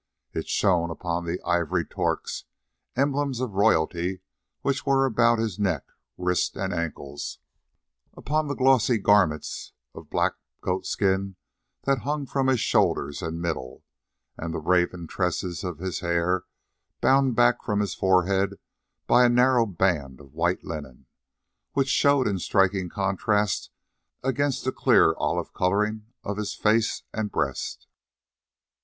It shone upon the ivory torques, emblems of royalty, which were about his neck, wrists, and ankles, upon the glossy garments of black goat skin that hung from his shoulders and middle, and the raven tresses of his hair bound back from his forehead by a narrow band of white linen, which showed in striking contrast against the clear olive colouring of his face and breast.